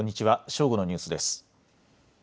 正午のニュースです。